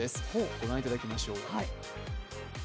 ご覧いただきましょう。